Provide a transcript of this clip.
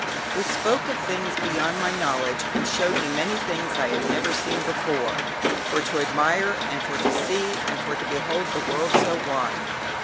"Who spoke of things beyond my knowledge and showed me many things I had never seen before." "For to admire, and for to see, and for to behold the world so wide."